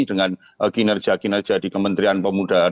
dengan kinerja kinerja di kementerian pemuda dan olahraga